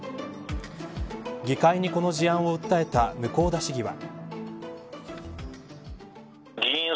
議会にこの事案を訴えた向田市議は。